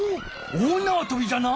大なわとびじゃな！